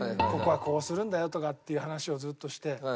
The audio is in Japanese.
「ここはこうするんだよ」とかっていう話をずっとして。